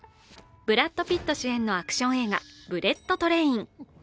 ブラッド・ピット主演のアクション映画「ブレット・トレイン」